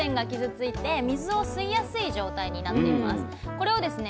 これをですね